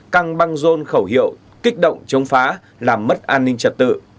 căng băng rôn khẩu hiệu kích động chống phá làm mất an ninh trật tự